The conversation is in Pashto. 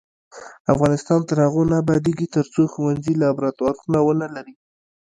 افغانستان تر هغو نه ابادیږي، ترڅو ښوونځي لابراتوارونه ونه لري.